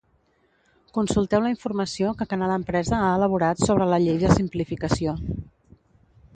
Consulteu la informació que Canal Empresa ha elaborat sobre la Llei de simplificació.